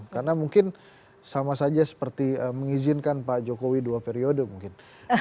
karena mungkin sama saja seperti mengizinkan pak jokowi dua periode mungkin